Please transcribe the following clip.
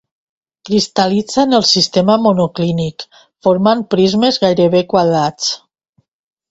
Cristal·litza en el sistema monoclínic, formant prismes gairebé quadrats.